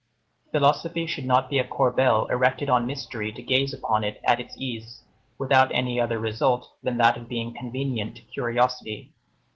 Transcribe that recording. Philosophy should not be a corbel erected on mystery to gaze upon it at its ease, without any other result than that of being convenient to curiosity.